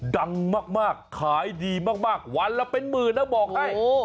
ดังมากขายดีมากวันละเป็นหมื่นนะบอกให้